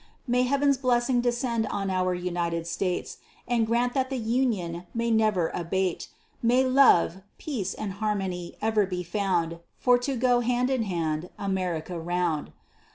May Heaven's blessing descend on our United States, And grant that the union may never abate; May love, peace, and harmony ever be found, For to go hand in hand America round.